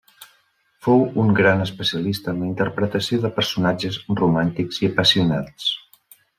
Fou un gran especialista en la interpretació de personatges romàntics i apassionats.